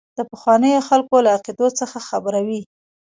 د پخوانیو خلکو له عقیدو څخه خبروي.